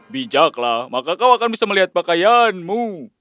bijaklah maka kau akan bisa melihat pakaianmu